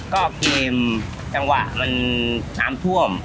มีจังหวะน้ำถั่วม